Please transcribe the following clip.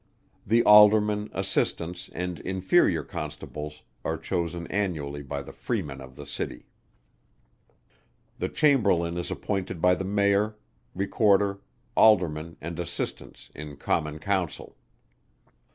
The Aldermen, Assistants, and inferior Constables are chosen annually by the Freemen of the City. The Chamberlain is appointed by the Mayor, Recorder, Aldermen, and Assistants, in Common Council.